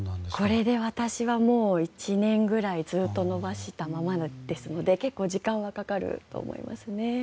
これで私は１年くらいずっと伸ばしたままですので結構時間はかかると思いますね。